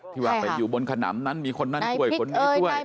ที่ว่าไปอยู่บนขนำนั้นมีคนนั้นช่วยคนนี้ช่วย